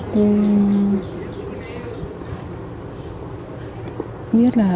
tôi biết là